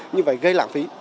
như vậy gây lạng phí